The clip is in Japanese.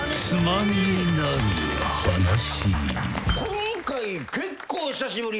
今回結構久しぶり。